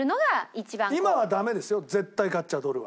今はダメですよ絶対買っちゃドルは。